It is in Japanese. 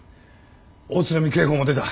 大津波警報も出た。